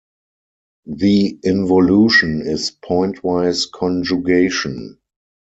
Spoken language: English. The involution is pointwise conjugation.